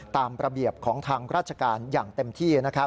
ตามระเบียบของทางราชการอย่างเต็มที่